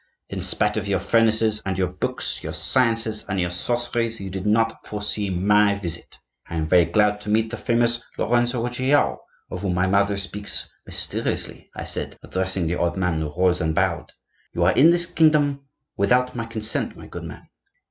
'In spite of your furnaces and your books, your sciences and your sorceries, you did not foresee my visit. I am very glad to meet the famous Lorenzo Ruggiero, of whom my mother speaks mysteriously,' I said, addressing the old man, who rose and bowed. 'You are in this kingdom without my consent, my good man.